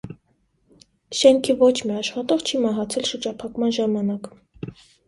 Շենքի ոչ մի աշխատող չի մահացել շրջափակման ժամանակ։